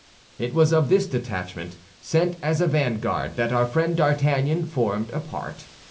It was of this detachment, sent as a vanguard, that our friend D'Artagnan formed a part.